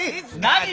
何？